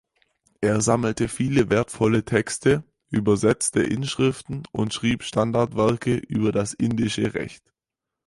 Er sammelte viele wertvolle Texte, übersetzte Inschriften und schrieb Standardwerke über das indische Recht.